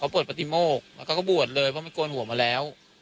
เปิดปฏิโมกแล้วเขาก็บวชเลยเพราะมันโกนหัวมาแล้ว